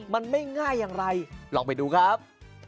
มันไม่ง่ายอย่างไรลองไปดูครับ